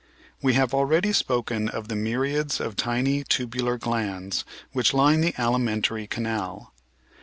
We have already spoken of the myriads of tiny tubular glands which line the alimentary canal.